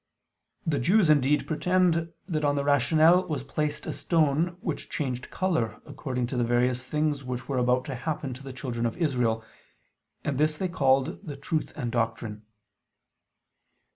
The Jews indeed pretend that on the rational was placed a stone which changed color according to the various things which were about to happen to the children of Israel: and this they call the "Truth and Doctrine."